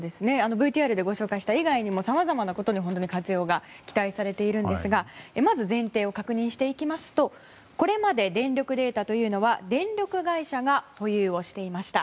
ＶＴＲでご紹介した以外にもさまざまなことに本当に期待されているんですがまず前提を確認していきますとこれまで電力データは電力会社が保有していました。